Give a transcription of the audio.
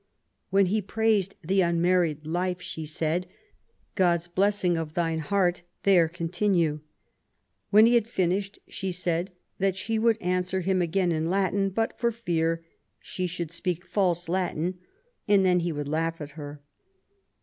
When he praised the unmarried life, she said :" God's blessing of thine heart; there continue". When he had finished, she said that she would answer him again in Latin, but for fear she should speak false Latin, and then he would laugh at her